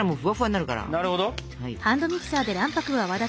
なるほど。